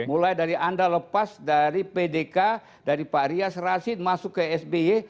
mulai dari anda lepas dari pdk dari pak rias rasid masuk ke sby